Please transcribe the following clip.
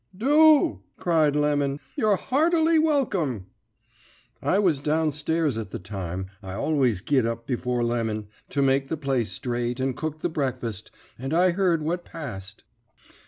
"'Do,' cried Lemon. 'You're heartily welcome.' "I was down stairs at the time I always git up before Lemon, to make the place straight and cook the breakfast and I heard what passed.